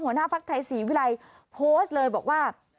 หัวหน้าภักดิ์ไทยศรีวิรัยโพสต์เลยบอกว่า